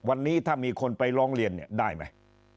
วันนี้ถ้ามีคนไปลองเลี่ยนได้ไหม